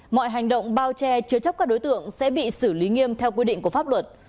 mọi hành động bao che chứa chấp các đối tượng sẽ bị xử lý nghiêm theo quy định của pháp luật